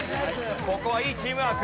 ここはいいチームワーク。